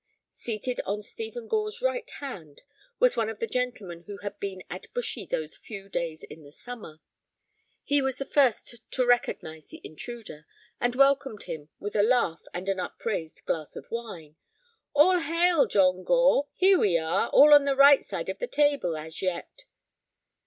Seated on Stephen Gore's right hand was one of the gentlemen who had been at Bushy those few days in the summer. He was the first to recognize the intruder, and welcomed him with a laugh and an upraised glass of wine. "All hail, John Gore! Here are we, all on the right side of the table—as yet!"